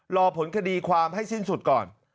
รอผลคดีความให้สิ้นสุดก่อน